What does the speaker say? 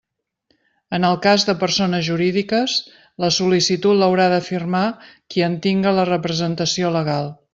En el cas de persones jurídiques, la sol·licitud l'haurà de firmar qui en tinga la representació legal.